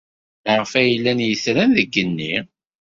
Maɣef ay llan yitran deg yigenni?